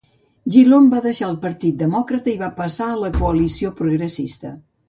Gillon va deixar el Partit Demòcrata i va passar a la Coalició Progressista.